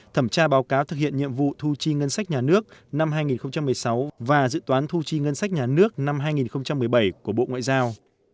thẩm tra báo cáo thực hiện nhiệm vụ thu chi ngân sách nhà nước năm hai nghìn một mươi sáu và dự toán thu chi ngân sách nhà nước năm hai nghìn một mươi bảy của bộ ngoại giao